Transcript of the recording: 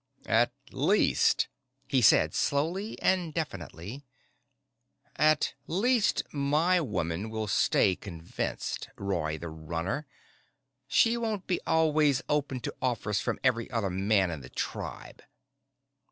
"At least," he said, slowly and definitely, "at least, my woman will stay convinced, Roy the Runner. She won't be always open to offers from every other man in the tribe."